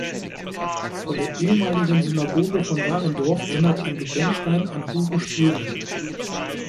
Vor der ehemaligen Synagoge von Warendorf erinnert ein Gedenkstein an Hugo Spiegel.